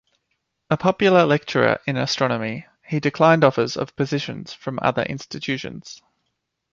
A popular lecturer in astronomy, he declined offers of positions from other institutions.